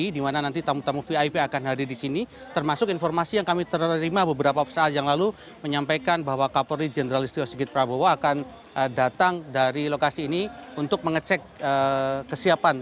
di mana nanti tamu tamu vip akan hadir di sini termasuk informasi yang kami terima beberapa saat yang lalu menyampaikan bahwa kapolri jenderal istio sigit prabowo akan datang dari lokasi ini untuk mengecek kesiapan